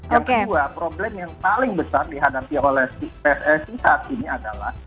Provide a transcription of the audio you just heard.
yang kedua problem yang paling besar dihadapi oleh pssi saat ini adalah